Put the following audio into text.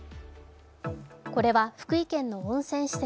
これは福井県の温泉施設